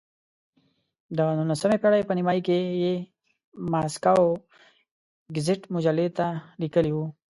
د نولسمې پېړۍ په نیمایي کې یې ماسکو ګزیت مجلې ته لیکلي وو.